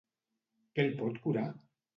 Què el pot curar?